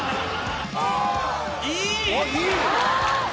いい！